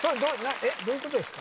どういうことですか？